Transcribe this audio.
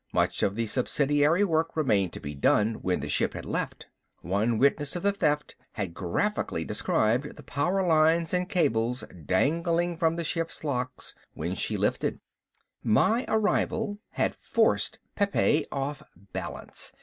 Much of the subsidiary work remained to be done when the ship had left. One witness of the theft had graphically described the power lines and cables dangling from the ship's locks when she lifted. My arrival had forced Pepe off balance.